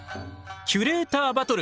「キュレーターバトル！！」